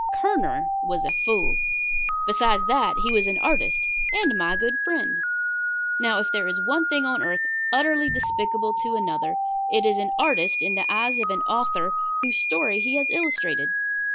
Kerner was a fool. Besides that, he was an artist and my good friend. Now, if there is one thing on earth utterly despicable to another, it is an artist in the eyes of an author whose story he has illustrated.